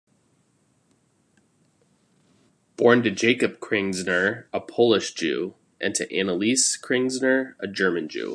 Born to Jacob Krigsner, a Polish Jew, and to Anneliese Krigsner, a German Jew.